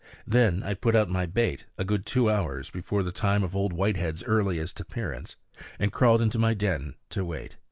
Then I put out my bait, a good two hours before the time of Old Whitehead's earliest appearance, and crawled into my den to wait.